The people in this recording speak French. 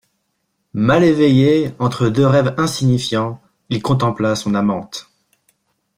Mal éveillé, entre deux rêves insignifiants, il contempla son amante.